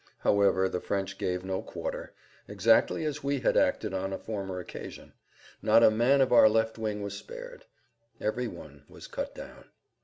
However, the French gave no quarter—exactly as we had acted on a former occasion. Not a man of our left wing was spared; every one was cut down.